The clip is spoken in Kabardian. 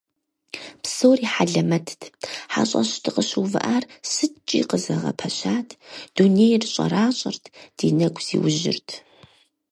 Псори хьэлэмэтт, хьэщӀэщ дыкъыщыувыӀар сыткӀи къызэгъэпэщат, дунейр щӀэращӀэрт, ди нэгу зиужьырт…